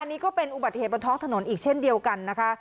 อันนี้ก็เป็นอุบัติเหตุบนท้องถนนอีกเช่นเดียวกันนะคะ